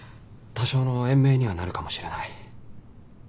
多少の延命にはなるかもしれない。